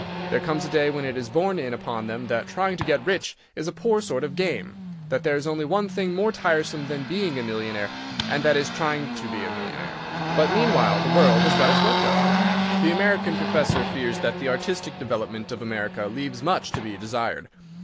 There comes a day when it is borne in upon them that trying to get rich is a poor sort of game—that there is only one thing more tiresome than being a millionaire, and that is trying to be a millionaire. But, meanwhile, the world has got its work done. The American professor fears that the artistic development of America leaves much to be desired.